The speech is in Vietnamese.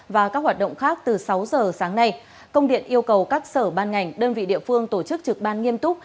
và các hoạt động khác từ sáu giờ sáng nay công điện yêu cầu các sở ban ngành đơn vị địa phương tổ chức trực ban nghiêm túc